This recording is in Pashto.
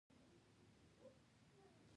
بيا به هم د اکا او د تورې بلا چلند راسره نه و ښه.